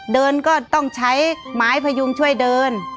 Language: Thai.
ก็ต้องใช้ไม้พยุงช่วยเดิน